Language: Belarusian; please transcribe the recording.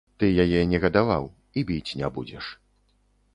Ты яе не гадаваў і біць не будзеш.